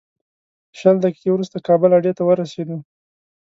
شل دقیقې وروسته کابل اډې ته ورسېدو.